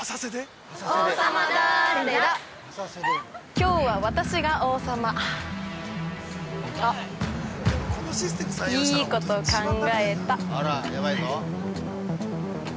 ◆きょうは、私が王様！あっ、いいこと考えた。